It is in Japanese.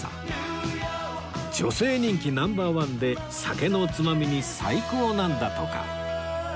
女性人気ナンバー１で酒のつまみに最高なんだとか